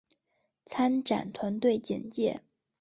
参展团队简介